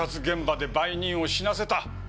現場で売人を死なせた。